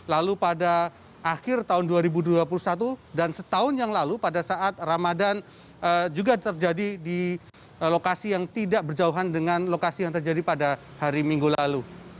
lalu pada akhir tahun dua ribu dua puluh satu dan setahun yang lalu pada saat ramadan juga terjadi di lokasi yang tidak berjauhan dengan lokasi yang terjadi pada hari minggu lalu